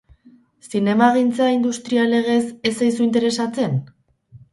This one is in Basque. Zinemagintza, industria legez, ez zaizu interesatzen?